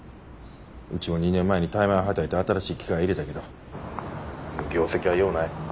うちも２年前に大枚はたいて新しい機械入れたけど業績はようない。